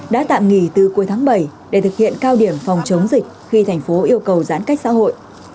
đã tạm nghỉ từ cuối tháng bảy để thực hiện cao điểm phòng chống dịch khi thành phố yêu cầu giãn cách xã hội